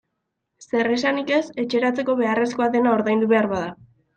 Zer esanik ez etxeratzeko beharrezkoa dena ordaindu behar bada.